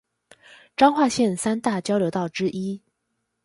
彰化縣三大交流道之一